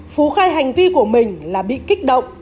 phú khai hành vi của mình là bị kích động